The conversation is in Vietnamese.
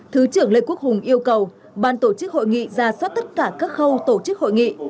thứ trưởng lê quốc hùng yêu cầu ban tổ chức hội nghị ra soát tất cả các khâu tổ chức hội nghị